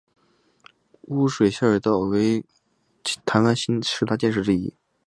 污水下水道为台湾新十大建设之一。